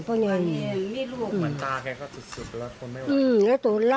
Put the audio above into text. แล้วตัวเราโอ้ยเราก็ถูกขึ้นมาเลย